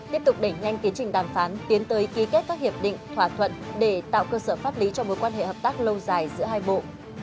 tiếp tục đẩy nhanh tiến trình đàm phán tiến tới ký kết các hiệp định thỏa thuận để tạo cơ sở pháp lý cho mối quan hệ hợp tác lâu dài giữa hai bộ